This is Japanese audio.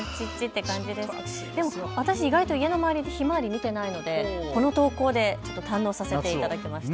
私、意外と家の周りでひまわり見ていないのでこの投稿で堪能させていただきました。